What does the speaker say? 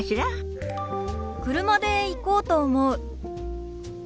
車で行こうと思う。